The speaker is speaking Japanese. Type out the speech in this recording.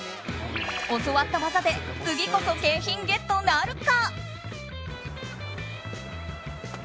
教わった技で次こそ景品ゲットなるか？